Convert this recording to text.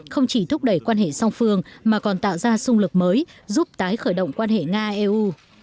không chỉ thúc đẩy quan hệ song phương mà còn tạo ra sung lực mới giúp tái khởi động quan hệ nga eu